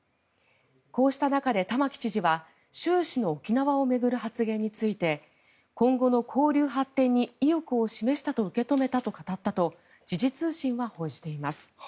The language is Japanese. こうした中で玉城知事は習氏の沖縄を巡る発言について今後の交流発展に意欲を示したと受け止めたと語ったと時事通信は報じています。